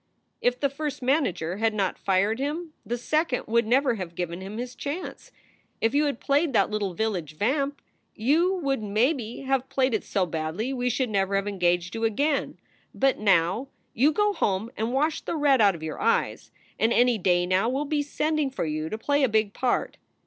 "If the first manager had not fired him the second would never have given him his chance. If you had played that little village vamp you would maybe have played it so badly we should never have engaged you again. But now you go home and wash the red out of your eyes, and any day now we ll be sending for you to play a big part.